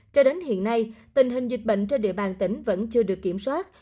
cho đến hiện nay tình hình dịch bệnh trên địa bàn tỉnh vẫn chưa được kiểm soát